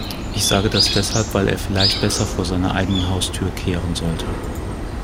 Ich sage das deshalb, weil er vielleicht besser vor seiner eigenen Haustür kehren sollte.